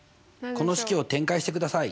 この式を展開してください。